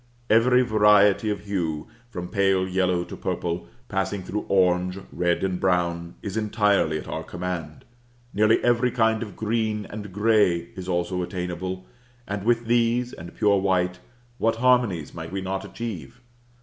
Every variety of hue, from pale yellow to purple, passing through orange, red, and brown, is entirely at our command; nearly every kind of green and gray is also attainable: and with these, and pure white, what harmonies might we not achieve?